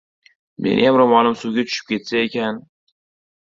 «Meniyam ro‘molim suvga tushib ketsa ekan...»